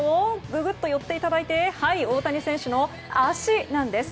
ググっと寄っていただいて大谷選手の足なんです。